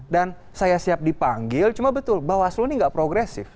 dan saya siap dipanggil cuma betul bahwa asli ini tidak progresif